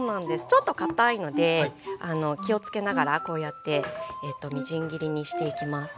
ちょっとかたいので気をつけながらこうやってみじん切りにしていきます。